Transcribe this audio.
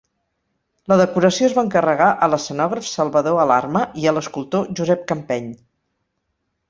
La decoració es va encarregar a l'escenògraf Salvador Alarma i a l'escultor Josep Campeny.